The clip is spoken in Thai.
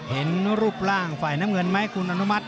เห็นรูปร่างฝ่ายน้ำเงินไหมคุณอนุมัติ